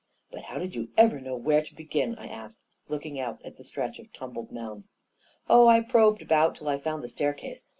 " But how did you ever know where to begin ?" I asked, looking about at the stretch of tumbled mounds. " Oh, I probed about until I found the staircase.